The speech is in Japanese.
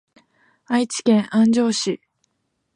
愛知県安城市